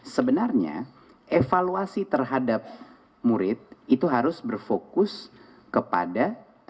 sebenarnya evaluasi terhadap murid itu harus berfokus kepada